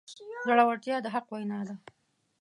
زړورتیا د حق وینا ده.